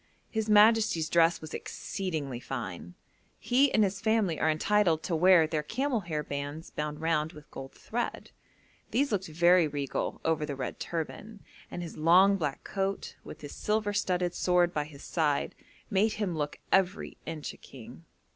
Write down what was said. His majesty's dress was exceedingly fine. He and his family are entitled to wear their camel hair bands bound round with gold thread. These looked very regal over the red turban, and his long black coat, with his silver studded sword by his side, made him look every inch a king.